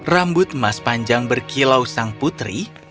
rambut emas panjang berkilau sang putri